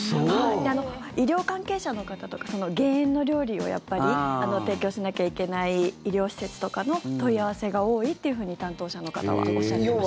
医療関係者の方とか減塩の料理を提供しなきゃいけない医療施設とかの問い合わせが多いっていうふうに担当者の方はおっしゃってました。